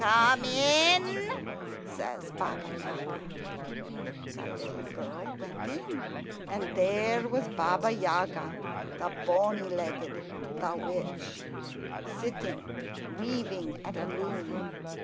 "Come in," says Baba Yaga. The little girl went in, and there was Baba Yaga, the bony legged, the witch, sitting weaving at a loom.